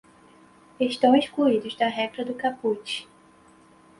Estão excluídos da regra do caput